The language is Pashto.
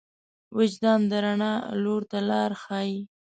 وجدان د رڼا لور ته لار ښيي.